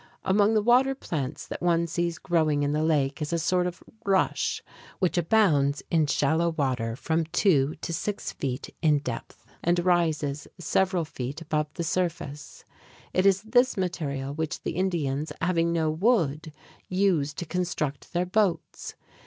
Among the water plants that one sees growing in the lake is a sort of rush, which abounds in shallow water from two to six feet in depth, and rises several feet above the surface. It is this material which the Indians, having no wood, use to construct their boats.